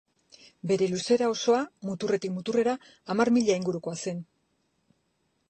Bere luzera osoa, muturretik muturrera, hamar milia ingurukoa zen.